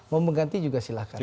mau mengganti juga silahkan